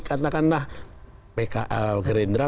katakanlah pks gerindra